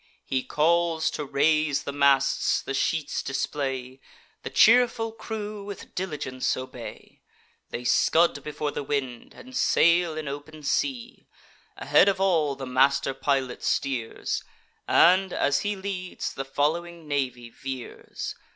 He calls to raise the masts, the sheets display; The cheerful crew with diligence obey; They scud before the wind, and sail in open sea. Ahead of all the master pilot steers; And, as he leads, the following navy veers.